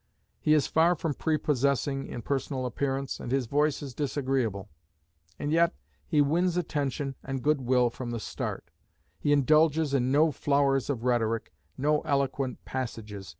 He is far from prepossessing in personal appearance, and his voice is disagreeable; and yet he wins attention and good will from the start. He indulges in no flowers of rhetoric, no eloquent passages.